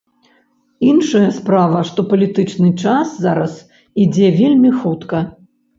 Іншая справа, што палітычны час зараз ідзе вельмі хутка.